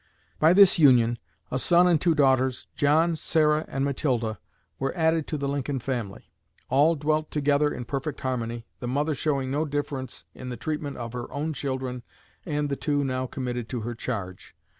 By this union, a son and two daughters, John, Sarah, and Matilda, were added to the Lincoln family. All dwelt together in perfect harmony, the mother showing no difference in the treatment of her own children and the two now committed to her charge.